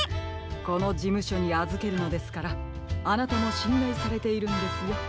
このじむしょにあずけるのですからあなたもしんらいされているんですよブラウン。